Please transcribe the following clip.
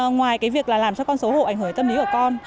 ngoài cái việc là làm cho con xấu hổ ảnh hưởng tới tâm lý của con